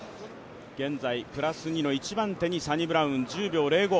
現在プラス２の一番手にサニブラウン、１０秒０５。